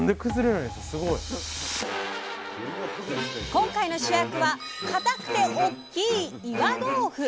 今回の主役は固くておっきい岩豆腐！